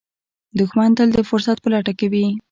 دښمن تل د فرصت په لټه کې وي